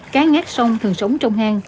cá ngát sông thường sống trong hang